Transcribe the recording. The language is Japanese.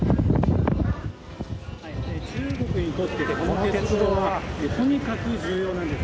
中国にとって、この鉄道はとにかく重要なんです。